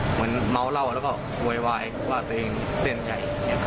เหมือนเม้าเล่าแล้วก็เวลาว่าตัวเองเต้นใจ